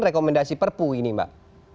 rekomendasi perpu ini mbak